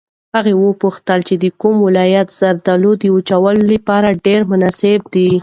هغه وپوښتل چې د کوم ولایت زردالو د وچولو لپاره ډېر مناسب دي.